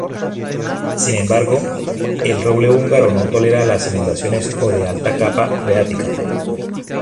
Sin embargo, el roble húngaro no tolera las inundaciones o de alta capa freática.